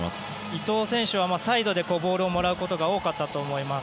伊東選手はサイドでボールをもらうことが多かったと思います。